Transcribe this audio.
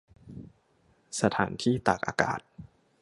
สถานที่ตากอากาศ